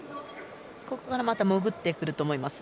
ここから潜ってくると思います。